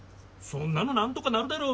そんなの何とかなるだろ。